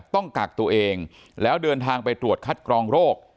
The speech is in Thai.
ต้องกักตัวเองแล้วเดินทางไปตรวจคัดกรองโรค